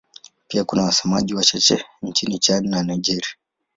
Pia kuna wasemaji wachache nchini Chad na Nigeria.